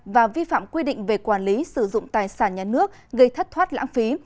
và vi phạm quy định về quản lý sử dụng tài sản nhà nước gây thất thoát lãng phí